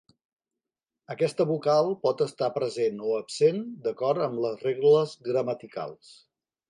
Aquesta vocal pot estar present o absent d'acord amb les regles gramaticals.